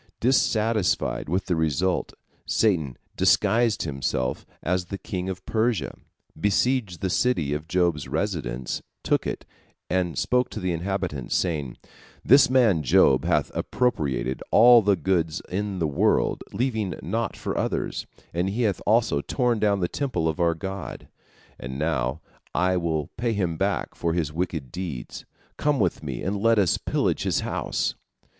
" Dissatisfied with the result, Satan disguised himself as the king of Persia, besieged the city of Job's residence, took it, and spoke to the inhabitants, saying: "This man Job hath appropriated all the goods in the world, leaving naught for others, and he hath also torn down the temple of our god, and now I will pay him back for his wicked deeds. Come with me and let us pillage his house."